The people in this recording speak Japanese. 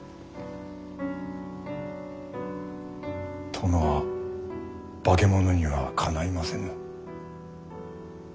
殿は化け物にはかないませぬ。